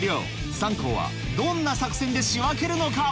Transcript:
３校はどんな作戦で仕分けるのか